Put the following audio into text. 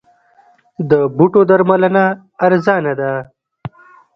د بوټو درملنه ارزانه ده؟